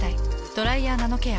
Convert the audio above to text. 「ドライヤーナノケア」。